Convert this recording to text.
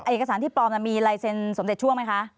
เอกสารที่ปลอมมีลายเซ็นสมเด็จช่วงไหมคะ